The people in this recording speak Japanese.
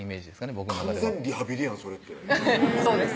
僕の中では完全リハビリやんそれってそうですね